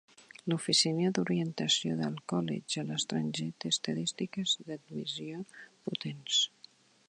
L'Oficina d'Orientació del College a l'Estranger té estadístiques d'admissió potents.